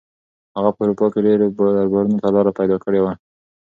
هغه په اروپا کې ډېرو دربارونو ته لاره پیدا کړې وه.